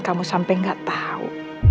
kamu sampe gak tau